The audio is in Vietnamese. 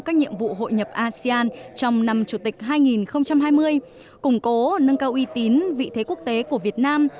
các nhiệm vụ hội nhập asean trong năm chủ tịch hai nghìn hai mươi củng cố nâng cao uy tín vị thế quốc tế của việt nam